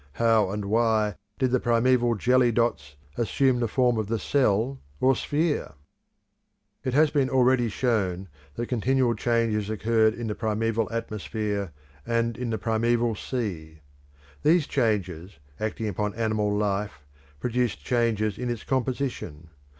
How and why did the primeval jelly dots assume the form of the cell or sphere? It has been already shown that continual changes occurred in the primeval atmosphere and in the primeval sea. These changes acting upon animal life produced changes in its composition.